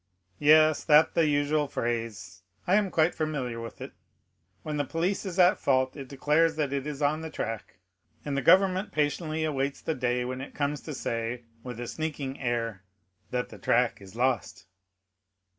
"Yes, that the usual phrase; I am quite familiar with it. When the police is at fault, it declares that it is on the track; and the government patiently awaits the day when it comes to say, with a sneaking air, that the track is lost."